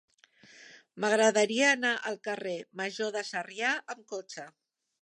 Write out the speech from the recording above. M'agradaria anar al carrer Major de Sarrià amb cotxe.